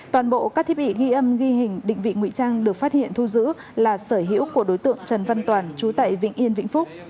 toàn bộ các thiết bị ghi âm ghi hình định vị ngụy trang được phát hiện thu giữ là sở hữu của đối tượng trần văn toàn chú tại vĩnh yên vĩnh phúc